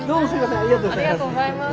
ありがとうございます。